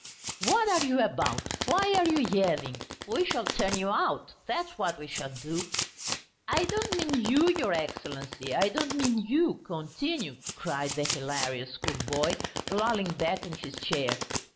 "What are you about? Why are you yelling? We shall turn you out, that's what we shall do." "I don't mean you, your Excellency, I don't mean you. Continue!" cried the hilarious schoolboy, lolling back in his chair.